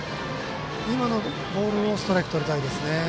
今のボールでストライクとりたいですね。